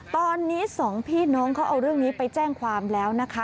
ตอนนี้สองพี่น้องเขาเอาเรื่องนี้ไปแจ้งความแล้วนะคะ